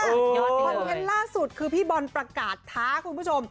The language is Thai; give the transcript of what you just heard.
คอนเทนต์ล่าสุดคือพี่บอลประกาศท้าคุณผู้ชม